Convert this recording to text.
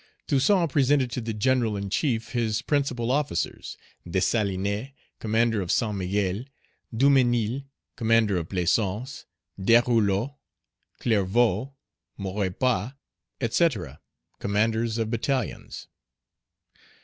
Toussaint presented to the general in chief his principal officers: Dessalines, commander of San Miguel, Duménil, commander of Plaisance, Desrouleaux, Clerveaux, Maurepas, &c., commanders of battalions.